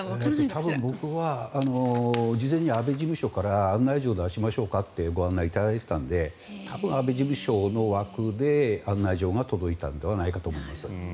多分、僕は事前に安倍事務所から案内状を出しましょうかというご案内を頂いていたので多分、安倍事務所の枠で案内状が届いたのではないかと思います。